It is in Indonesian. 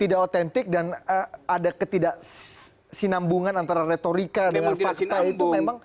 tidak otentik dan ada ketidaksinambungan antara retorika dengan fakta itu memang